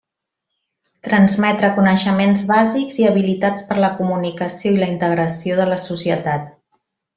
Transmetre coneixements bàsics i habilitats per la comunicació i la integració de la societat.